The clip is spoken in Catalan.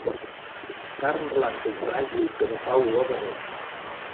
Carn blanca i fràgil que no fa olor de res.